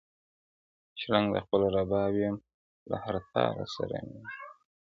شرنګ د خپل رباب یم له هر تار سره مي نه لګي،